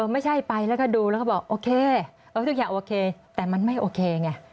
ไม่ใช่ไปแล้วก็ดูแล้วก็บอกโอเคทุกอย่างโอเคแต่มันไม่โอเคไง